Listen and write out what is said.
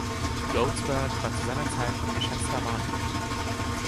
Godesberg war zu seiner Zeit ein geschätzter Mann.